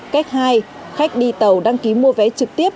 cách hai khách đi tàu đăng ký mua vé trực tiếp